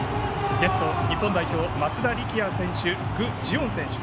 ゲスト、日本代表松田力也選手、具智元選手。